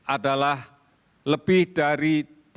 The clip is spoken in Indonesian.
adalah lebih dari